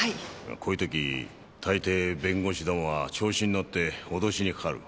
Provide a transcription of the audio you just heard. こういうとき大抵弁護士どもは調子に乗って脅しにかかる。